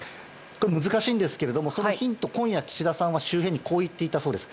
難しいんですがそのヒント、今夜岸田さんは周辺に、こう言っていたそうです。